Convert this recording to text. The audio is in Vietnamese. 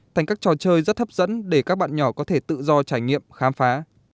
thành các trò chơi rất hấp dẫn để các bạn nhỏ có thể tự do trải nghiệm khám phá